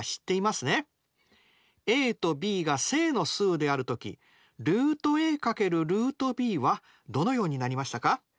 ａとｂが正の数である時ルートａ×ルートｂはどのようになりましたか？